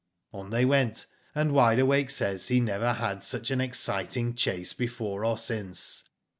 "On they went, and Wide Awake says he never had such an exciting chase before or since.